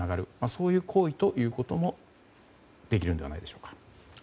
そういう行為ということもいえるんじゃないでしょうか。